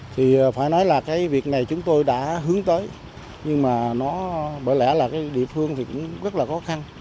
thì phải nói là cái việc này chúng tôi đã hướng tới nhưng mà nó bởi lẽ là cái địa phương thì cũng rất là khó khăn